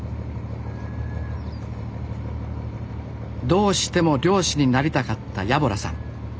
どうしても漁師になりたかった家洞さん。